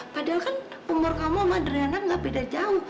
padahal kan umur kamu sama drena gak beda jauh